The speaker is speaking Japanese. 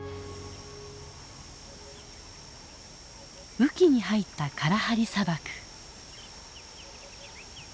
雨期に入ったカラハリ砂漠。